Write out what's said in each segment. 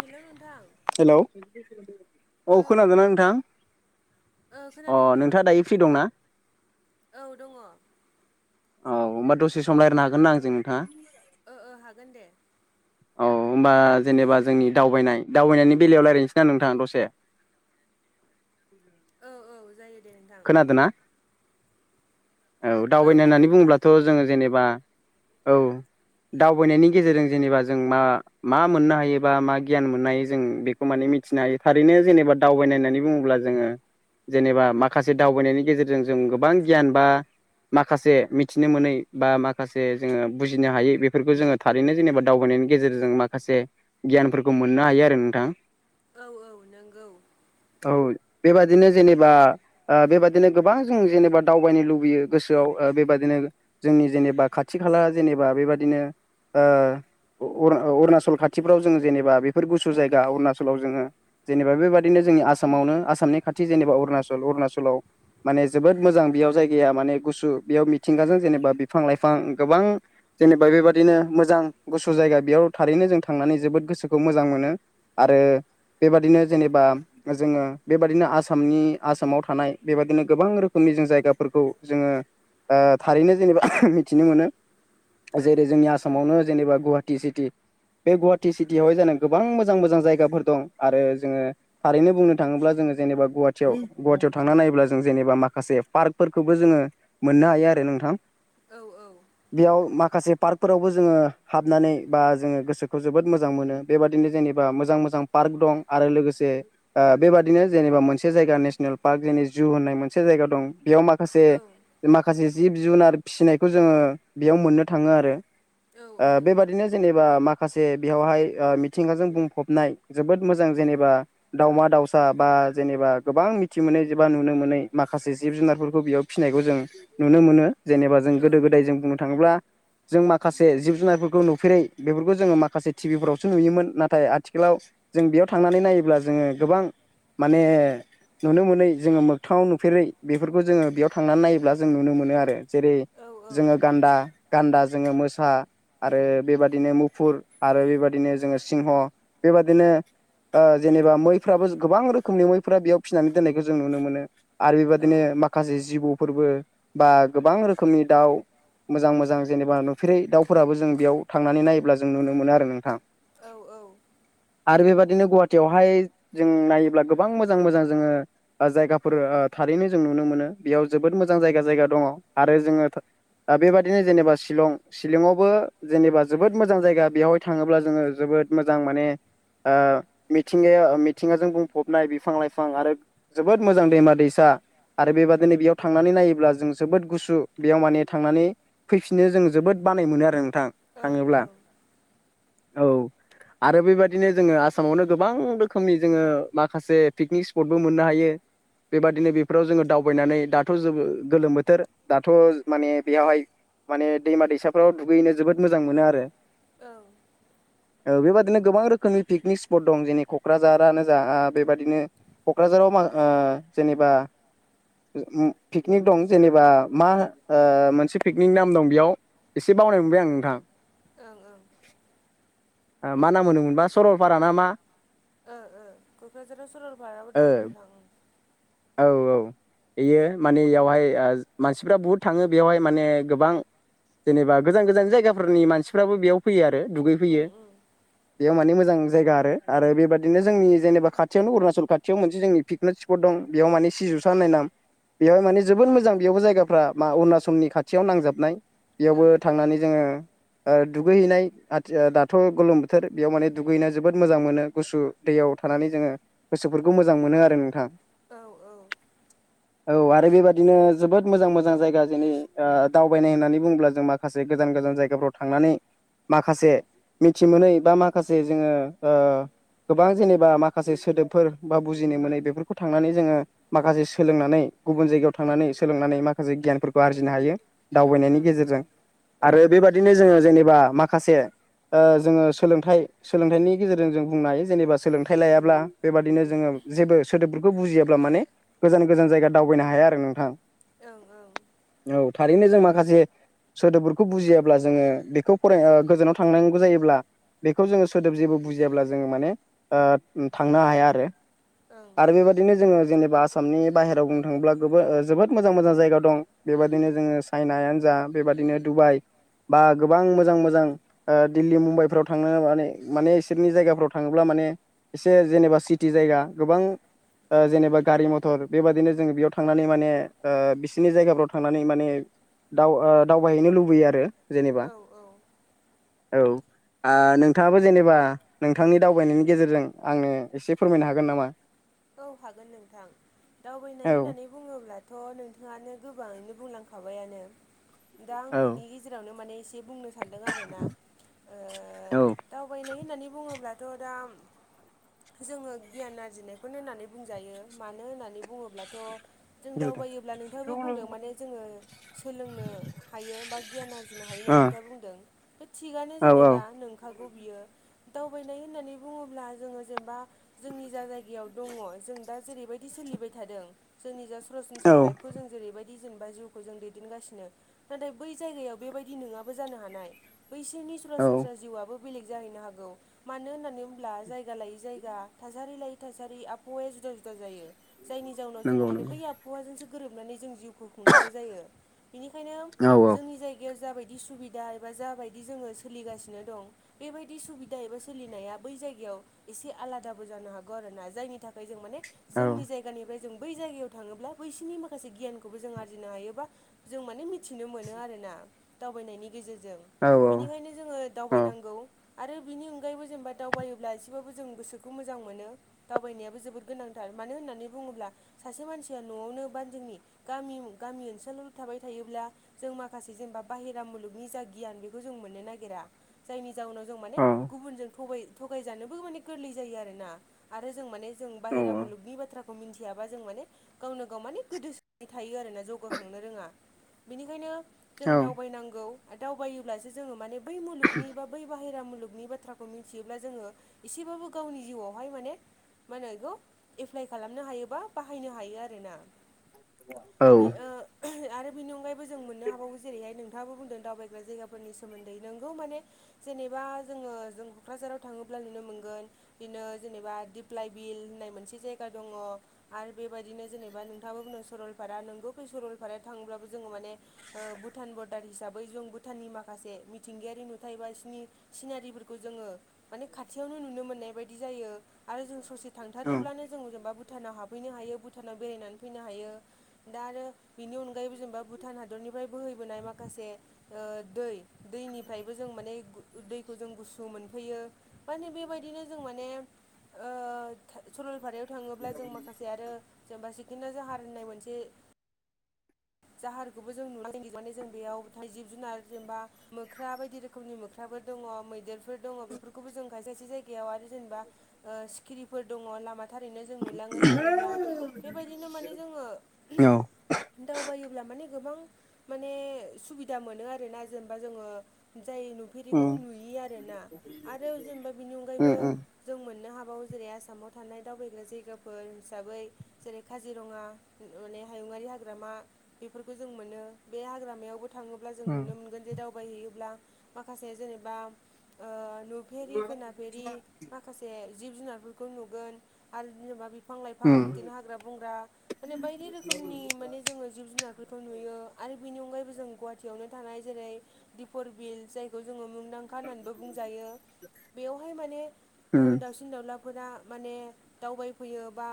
हेल' नोंथां हेलौ औ खोनादों नोंथां ओ अ खोनादों नोंथां नोंथाङा दायो फ्रि दंना औ दङ औ होनोमबा दसे सम रायनो हागोन ना आंजों नोंथाङा ओ-ओ हागोन दे औ होमबा जेनेबा जोंनि दावबायनाय दावबायनायनि बेलायाव रायलायनोसै ना नोंथां दसे औ -औ जायो दे नोंथां खोनादों ना औ दावबायनो खोनादों होननानै नोंथां बुङोब्लाथ' जोङो जेनेबा औ दावबायनायनि गेजेरजों जेनेबा जों मा मा मोननो हायोबा मा गियान मोननो हायो जों बेखौ माने मिथिनो हायो थारैनो जेनेबा दावबायनाय होननानै बुङोब्ला जोङो जेनेबा मा माखासे दावबायनायनि गेजेरजों जों गोबां गियान बा माखासे मिथिनो मोनै बा माखासे जोङो बुजिनो हाय बेफोरखौ जोङो थारैनो जेनेबा दावबायनायनि गेजेरजों माखासे गियानफोरखौ मोननो हायो आरो नोंथां औ-औ नंगौ औ बेबादिनो जेनेबा बेबादिनो गोबां जों जेनेबा दावबायनो लुबैयो गोसोआव बेबादिनो जोंनि जेनेबा खाथि खाला जेनेबा बेबादिनो अरुणाचल खाथिफ्राव जोङो जेनेबा बेफोर गुसु जायगा अरुणाचलाव जोङो जेनेबा बेबादिनो जोंनि आसामावनो आसामनि खाथि जेनेबा अरुणाचल अरुणाचलाव माने जोबोद मोजां बेयाव जायगाया माने गुसु बेयाव मिथिंगाजों जेनेबा बिफां लाइफां गोबां जेनेबा बेबादिनो मोजां गुसु जायगा बेयाव थारैनो जों थांनानै जोबोद गोसोखौ मोजां मोनो आरो बेबादिनो जेनेबा जोङो बेबादिनो आसामनि आसामाव थानाय बेबादिनो गोबां रोखोमनि जों जायगाफोरखौ जोङो थारैनो जेनेबा मिथिनो मोनो औ जेरै जोंनि आसाम आसामावनो जेनेबा गुवाहाटि सिटि बे गुवाहाटि सिटियावहाय जानो गोबां मोजां मोजां जायगाफोर दं आरो जोङो थारैनो बुंनो थाङोबा जोङो जेनेबा गुवाहाटीयाव गुवाहाटी थांना नायोब्ला जों जेनेबा माखासे पार्कफोरखौबो जोङो मोननो हायो आरो नोंथां औ औ बेयाव माखासे पार्क फोरावबो जोङो हाबनानै बा जोङो गोसोखौ जोबोद मोजां मोनो बेबादिनो जेनेबा मोजां मोजां पार्क दं आरो लोगोसे बेबादिनो जेनेबा मोनसे जायगा नेसनेल पार्क जोंनि जु होननाय मोनसे जायगा दं बेयाव माखासे औ माखासे जिब जुनार फिसिनायखौ जोङो बेयाव मोननो थाङो आरो औ बेबादि ओरैनो जेनेबा माखासे बेयावहाय मिथिंगाजों बुंफबनाय जोबोद मोजां जेनेबा दाावमा दाउसा बा जेनेबा गोबां मि खथि मोनै एबा नुनो मोनै माखासे जिब जुनारफोरखौ बेयाव फिसिनायखौ जों नुनो मोनो जेनेबा जों औ गोदो गोदाय जों बुंनो थाङोब्ला जों माखासे जिब जुनारफोरखौ नुफेरै बेफोरखौ जोङो माखासे टिभिफोरावसो नुयोमोन नाथाय आथिखालाव जों बेयाव थांनानै नायोब्ला जोङो गोबां माने नुनो मोनै जोङो मोगथाङाव नुफेरै बेफोरखौ जोङो बेयाव थांनानै नायोब्ला जों नुनो मोनो आरो जेरै जोङो गान्दा गान्दा जोङो मोसा आरो बेबादिनो मुफुर आरो बेबायदिनो जोङो सिंह बेबादिनो जेनेबा मैफ्राबो गोबां रोखोमनि मैफ्रा बेयाव फिनानै दोननायखौ जों नुनो मोनो आरो बेबायदिनो माख माखासे जिबौफोरबो बा गोबां रोखोमनि दाउ मोजां मोजां जेनेबा नुफेरै दाउफोराबो जों बेयाव थांनानै नायोब्ला जों नुनो मोनो आरो नोंथां औ औ आरो बेबादिनो गुवाहाटियावहाय जों नायोब्ला गोबां मोजां मोजां जोङो जायगाफोर थारैनो जों नुनो मोनो बेयाव जोबोद मोजां जायगा जायगा दङ आरो जोङो दा बेबादिनो जेनेबा शिलं शिलंआवबो जेनेबा जोबोद मोजां जायगा बेवहाय थाङोब्ला जोङो जोबोद मोजां माने ओ मिथिंगाया मिथिंगाजों बुंफबनाय बिफां लाइ- फां आरो जोबोद मोजां दैमा दैसा आरो बेबादिनो बेयाव थांनानै नायोब्ला जों जोबोद गुसु बेयाव माने थांनानै फैफिननो जों जोबोद बानाय मोनो आरो नोंथां औ थाङोब्ला औ आरो बेबादिनो जोङो आसामावनो गोबां रोखोमनि जोङो माखासे पिकनिक स्पटबो मोननो हायो बेबादिनो बेफोराव जोङो दावबायनानै दाथ' जों गोलोम बोथोर दाथ' माने बेयावहाय माने दैमा दैसाफ्राव दुगैनो जोबोद मोजां मोनो आरो औ औ बेबादिनो गोबां रोखोमनि पिकनिक स्पट दं जेरै क'क्राझारानो जा बेबादिनो क'क्राझाराव मा ओ जेनेबा पिकनिक दं जेनेबा मा ओ मोनसे पिकनिक नाम दं बेयाव एसे बावनाय मोनबाय आं नोंथाङा ओं ओं मा नाम होनो मोनबा सरलपारा ना मा ओ ओ क'क्राझाराव सरलपाराबो ओ दं औ औ बेयो माने एयावहाय मानसिफ्रा बुहुद थाङो बेयावहाय माने गोबां जेनेबा गोजान गोजान जायगाफोरनि मानसिफ्राबो बेयाव फैयो आरो उम दुगैफैयो उम बेयाव माने मोजां जायगा आरो बेबादिनो जोंनि जेनेबा खाथियावनो अरुणाचल खाथियाव मोनसे जोंनि पिकनिक स्पट दं बेयाव माने सिजौसा होननाय नाम बेवहाय माने जोबोद मोजां बेयावबो जायगाफ्रा मा अरुणाचलनि खाथियाव नांजाबनाय बेयावबो ओं थांनानै जोङो दुगैहैनाय आथि दाथ' गोलोम बोथोर बेयाव माने दुगैहैनो जोबोद मोजां मोनो गुसु दैयाव थानानै जोङो गोसोफोरखौ मोजां मोनो आरो नोंथां। औ औ औ आरो बेबादिनो जोबोद मोजां मोजां जायगा जोंनि दावबायनाय होननानै बुंङोब्ला जों मा खासे गोजान गोजान जायगाफ्राव थांनानै माखासे मिथि मोनै बा माखासे जोङो ओ गोबां जेनेबा माखासे सोदोबफोर बा बुजिनो मोनै बेफोरखौ थांनानै जोङो माखासे सोलोंनानै गुबुन जायगायाव थांनानै सोलोंनानै माखासे गियानफोरखौ आरजिनो हायो दावबायनायनि ओं गेजेरजों ओं आरो ओं बेबादिनो जोङो जेनेबा माखासे ओ जोङो सोलोंथाइ सोलोंथाइनि गेजेरजों जों बुंनो हायो जेनेबा सोलोंथाइ लायाब्ला बेबादिनो जोङो जेबो सोदोबफोरखौ बुजिया ब्ला माने गोजान गोजान जायगा दावबायनो हाया आरो नोंथां ओं ओं औ थारैनो जों माखासे सोदोबफोरखौ बुजियाब्ला जोङो बेखौ फराय गोजानाव थांनांगौ जायोब्ला बेखौ जोङो सोदोब जेबो बुजियाब्ला जोङो माने थांनो हाया आरो। ओं आरो बेबायदिनो जोङो जेनेबा आसामनि बाहेराव बुंनो थाङोब्ला जोबोद मोजां मोजां जायगा दं बेबायदिनो जोङो चाइनायानो जा बेबादिनो डुबाइ बा गोबां मोजां मोजां दिल्ली मुम्बाइफ्राव थांनो माने माने बिसोरनि जायगाफ्राव थाङोब्ला माने एसे जेनेबा सिटि जायगा गोबां जेनेबा गारि मथर बेबादिनो जोङो बेयाव थांनानै माने बिसोरनि जायगाफ्राव थांनानै माने दाव ओ दावबायहैनो लुबैयो आरो जेनेबा औ औ औ ओ नोंथाङाबो जेनेबा नोंथांनि दावबायनायनि गेजेरजों आंनो एसे फोरमायनो हागोन नामा? औ हागोन नोंथां औ दावबायनाय होननानै बुङोब्लाथ' नोंथाङानो गोबाङैनो बुंलांखाबायानो- दा आं औ बिनि गेजेरावनो माने एसे बुंनो सानदों आरो ना ओ औ दावबायनाय होननानै बुङोब्लाथ' दा जोङो गियान आरजिनाय। खौनो होननानै बुंजायो मानो होननानै बुङोब्लाथ' जों ओ दावबायोब्ला नोंथाङाबो बुंदों माने जोङो सोलोंनो हायो बा गियान आरजिनो हायो होननानै नोंथाङा बुंदों। बे थिगानो औ जेनेबा नंखागौ बियो दावबायनाय होननानै बुङोब्ला जोङो जेनेबा। जोंनि जा जायगायाव दङ जों दा जेरैबायदि सोलिबाय थादों जोंनि जा औ सरासनस्रा लाइफ। खौ जों जेरैबायदि जेनेबा जिउखौ जों दैदेनगासिनो गोदो बै जायगायाव बेबायदि नङाबो जानो हानाय बैसोरनि औ सरासनस्रा जिउआबो। बेलेग जाहैनो हागौ मानो होननानै होनब्ला जायगा लायै जायगा थासारि लायै। थासारि आबहावाया जुदा जुदा जायो जायनि जाउनाव जों नंगौ माने नंगौ बै आबहावा हौवाजोंसो गोरोबनानै जों जिउखौ खुंनांगौ जायो बेनिखायनो औ जोंनि जायगायाव। जायगायाव जाबायदि सुबिदा एबा जाबायदि जोङो सोलिगासिनो दं। बेबायदि सुबिदा एबा सोलिनाया बै जायगायाव एसे आलादाबो जानो हागोन। आरो ना जायनि थाखाय जों मान औ जोंनि जाय जायगानिफ्राय जों बै जायगायाव थाङोब्ला बैसोरनि माखासे गियानखौबो जों आरजिनो हायो‌ बा जों माने मिथिनो मोनो आरोना दावबायनायनि गेजेरजों औ बेनिखायनो जोङो। औ दावबायनांगौ आरो बिनि अनगायैबो जेनेबा दावबायोब्ला एसेबाबो जों गोसोखौ मोजां मोनो। दावबायनायाबो जोबोद गोनांथार मानो होननानै बुङोब्ला सासे मानसिया न'आवनो बा जोंनि। गामि गामि ओनसोलाव थाबाय थायोब्ला। जों माखासे जेनेबा बाहेरा मुलुगनि जा गियान बेखौ जों मोननो नागिरा। जायनि जाहोनाव जों माने औ गुबुनजों थगाय थगायजानोबो माने गोरलै जायो आरोना आरो जों माने। जों बाहेरा मुलुगनि बाथ्राखौ मिथि मिथियाबा जों माने गावनो गाव माने गोदोसै थायो आरोना जौगाखांनो रोङा‌। बेनिखायनो जों औ दावबायनांगौ आरो दावबायोब्लासो जोङो माने बै मुलुगनि बा। बै बाहेरा मुलुगनि बाथ्राखौ मिथियोब्ला जोङो एसेबाबो गावनि जिउआवहाय माने। मा होनो बेखौ एप्लाइ खालामनो हायोबा बाहायनो हायो आरोना। बे ओ आरो बिनि अनगायैबो जों मोननो हाबावो जेरैहाय नोंथाङाबो बुंदों दावबायग्रा जायगाफोरनि सोमोन्दै नोंगौ माने। जेनेबा जोङो जों क'क्राझाराव थाङोब्ला नुनो मोनगोन बिदिनो जेनेबा। दिप्लाइ बिल होननाय मोनसे जायगा दङ। आरो बेबायदिनो जेनेबा नोंथाङाबो बुंङो सरलपारा नोंगौ फै सरलपाराया थाङोब्लाबो जोङो माने ओ भुटान बर्डार हिसाबै जों भुटाननि माखासे मिथिंगायारि नुथाय बानि सिनारिफोरखौ जोङो माने खाथियावनो नुनो मोननाय बायदि जायो आरो जों ससे औ थांथारोब्लानो। जे जेनेबा भुटानाव हाबफैनो हायो भुटानाव बेरायनानै फैनो हायो दा आरो बेनि अनगायै आगायबो जेनबा भुटान हादरनिफ्राय बोहैबोनाय माखासे ओ दै दैनिफ्रायबो जों माने दैखौ जों गुसु मोनफैयो। माने बेबायदिनो जों माने ओ सरलपारायाव थाङोब्ला जों माखासे आरो जेनेबा सिखिना जाहार होननाय मोनसे [inaudible] जाहारखौबो जों नुनो नागिरबनानै जों बेयाव जिब जुनार जेनेबा मोख्रा बायदि रोखोम रोखोमनि मोख्राफोर दङ मैदेरफोर दङ बेफोरखौबो जों खाय खायसे जायगायाव आरो जेनेबा ओ सिखिरिफोर दङ लामा थारैनो जों नुलाङो जों थाङोब्ला बेबायदिनो माने जोङो औ दावबायोब्ला माने गोबां माने सुबिदा मोनो आरोना जेनेबा जोङो जाय नु फेरैखौ नुयो आरोना आरो जेनेबा बिनि अनगायैबो जों मोन मोननो हाबावो जेरै आसामाव थानाय दावबायग्रा जायगाफोर हिसाबै जेरै काजिरङा माने हायुङारि हाग्रामा बेफोरखौ जों मोनो बे हाग्रामायावबो थाङोब्ला अब्ला जों नुनो मोनगोन जे दावबायहैयोब्ला माखासे जेनेबा ओ नु फेरि खोनाफेरि माखासे जिब जुनारफोरखौ नुगोन आरो जेनेबा बिफां लाइफां बिदिनो हाग्रा बंग्रा माने बायदि रोखोमनि माने जोङो जिब जुनारफोरखौ नुयो आरो बिनि अनगायैबो जों गुवाहाटियावनो थानाय जेरै दिपर बिल जायखौ जोङो मुं दांखा होननानैबो बुंजायो बेयावहाय माने ओ दावसि न दावउलाफोरा माने दावबायफैयो बा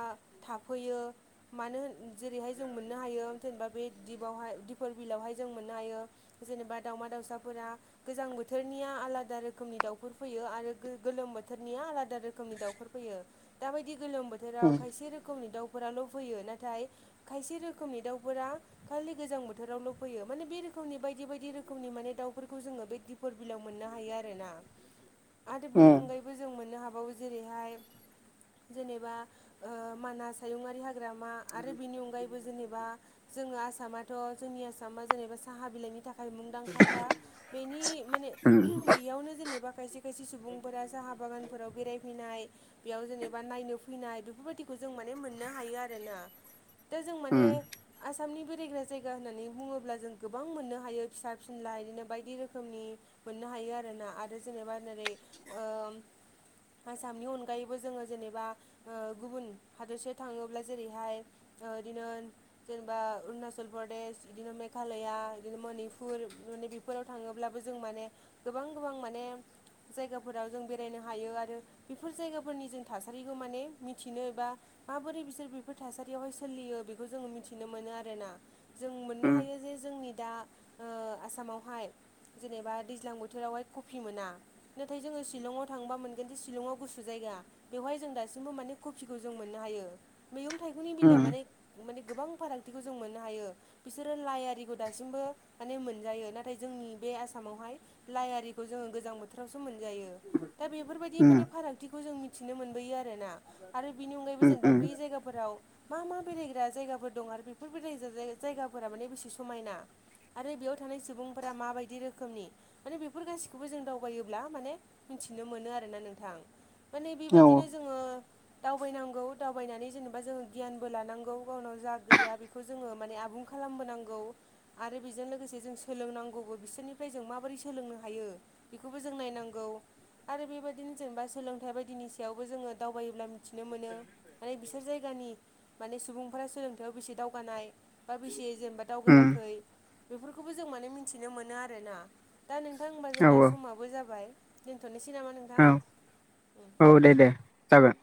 थाफैयो मानो होन जेरैहाय जों मोननो हायो जेनेबा बे दिपावहाय दिपर बिलावहाय जों मोननो हायो जेनेबा दाउमा दाउसाफोरा गोजां बोथोरनिया आलादा रोखोमनि दाउफोर फैयो आरो गो गोलोम बोथोर निया आलादा रोखोमनि दाउफोर फैयो दााबायदि गोलोम बोथोराव खायसे रोखोमनि दाउ फोराल फैयो नाथाय खायसे रोखोमनि दाउफोरा खालि गोजां बोथोरावल फैयो माने बे रोखोमनि बायदि बाय दि रोखोमनि माने दाउफोरखौ जोङो बे दिपरबिलाव मोननो हायो आरोना आरो उम बेनि अनगायैबो जों मोननो हाबावो जेरैहाय मानास हायुङारि हाग्रा ग्रामा आरो बिनि अनगायैबो जेनेबा जोङो आसामाथ जोंनि आसामा जेनेबा साहा बिलाइनि था खाय मुंदांखाखा बेनि माने बेयावनो जेनेबा खायसे खायसे सुबुंफोरा साहा बागानफोराव बेरायफैनाय बेयाव जेनेबा नायनो फैनाय बेफोरबायदिखौ जों माने मोननो हायो आरोना दा जों माने आसामनि बेरायग्रा जायगा होननानै बुङोब्ला जों गोबां मोननो हायो फिसा फिनला इदिनो बायदि रोखोमनि मोननो हायो आरोना आरो जेनेबा नोरै ओ आसामनि अनगायैबो जोङो जेनेबा ओ गुबुन हादरसायाव थाङोब्ला जेरैहाय इदिनो जेनेबा अरुणाचल प्रदेश इदिनो मे मेघालया इदिनो मनिपुर माने बेफोराव थाङोब्लाबो जों माने गोबां गोबां माने जायगाफोराव जों बेरायनो हायो आरो बेफोर जायगाफोरनि जों थासारिखौ माने मिथिनो बा माबोरै बिसोर बेफोर थासारियावहाय सोलियो बेखौ जोङो मिथिनो मोनो आरोना जों मोननो उम हायो जे जोंनि दा ओ आसामावहाय जेनेबा दैज्लां बोथोरावहाय कफि मोना नाथाय जोङो सिलंआव थांबा मोनगोनदि सिलंआव गुसु जायगा बेवहाय जों दासिमबो माने कफिखौ जों मोननो हायो मैगं थाइगंनि उम बेलायाव माने माने गोबां फारागथिखौ जों मोननो हायो बिसोरो लाइ आरिखौ दासिमबो माने मोनजायो नाथाय जोंनि बे आसामावहाय लाइ आरिखौ जों गोजां बोथोरावसो मोनजायो दा बेफोरबायदि माने फारागथिखौ जों मिथिनो मोनबोयो आरोना आरो बेनि अनगायैबो जेनेबा उम बे जायगाफोराव मा मा बेरायग्रा जायगाफोर दं आरो बेफोर बेराय जायगाफोरा माने बेसे समायना आरो बेयाव थानाय सुबुंफोरा माबायदि रोखोमनि माने बेफोर गासिखौबो जों दावबायोब्ला माने मिथिनो मोनो आरोना नोंथां माने औ बेबायदिनो जोङो दावबायनांगौ दावबायनानै जेनेबा जोङो गियानबो लानांगौ गावनाव जा गैया बेखौ जोङो माने आबुं खालामबोनांगौ आरो बेजों लोगोसे जों सोलोंनांगौबो बिसोरनिफ्राय जों माबोरै सोलोंनो हायो बेखौबो जों नायनांगौ आरो बेबायदिनो जेनेबा सोलोंथाइ बायदिनि सायावबो जोङो दावबायोब्ला मिथिनो मोनो माने बिसोर जायगानि माने सुबुंफोरा सोलोंथायाइयाव बेसे दावगानाय बा बेसे जेनेबा उम दावगायाखै बेफोरखौबो जों माने मिथिनो मोनो आरोना दा नोंथां होनबा औ जोंना समाबो जाबाय दोनथनोसै नामा नों औ औ दे दे जागोन